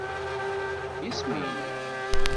Isem-nnek?